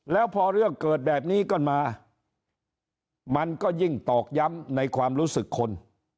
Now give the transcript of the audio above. แล้วพอเรื่องเกิดแบบนี้ขึ้นมามันก็ยิ่งตอกย้ำในความรู้สึกคน